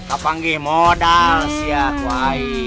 apa lagi modal sih ya kawaii